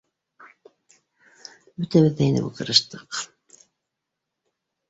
Бөтәбеҙ ҙә инеп ултырыштыҡ.